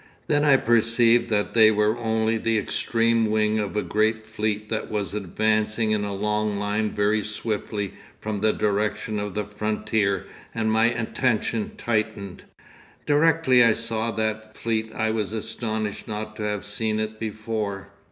Then I perceived that they were only the extreme wing of a great fleet that was advancing in a long line very swiftly from the direction of the frontier and my attention tightened. 'Directly I saw that fleet I was astonished not to have seen it before.